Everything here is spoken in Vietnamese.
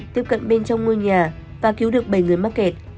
tiếp cận bên trong ngôi nhà và cứu được bảy người mắc kẹt